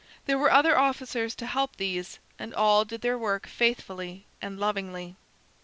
There were other officers to help these, and all did their work faithfully and lovingly.